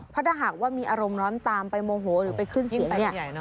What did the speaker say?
ถ้าหากว่ามีอารมณ์ร้อนตามไปโมโหหรือไปขึ้นเสียงเนี่ย